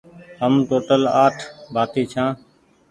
هم ٽوٽل آٺ ڀآتي ڇآن